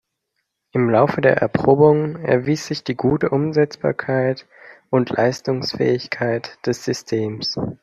Im Laufe der Erprobungen erwies sich die gute Umsetzbarkeit und Leistungsfähigkeit des Systems.